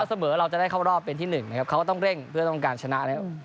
เสมอเราจะได้เข้ารอบเป็นที่หนึ่งนะครับเขาก็ต้องเร่งเพื่อต้องการชนะแล้ว